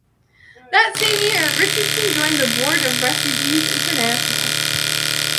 That same year, Richardson joined the board of Refugees International.